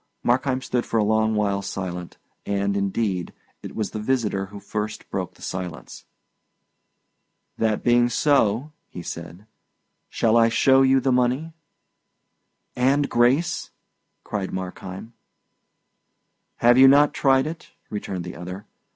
Markheim stood for a long while silent, and, indeed, it was the visitor who first broke the silence. "That being so," he said, "shall I show you the money?" "And grace?" cried Markheim. "Have you not tried it?" returned the other.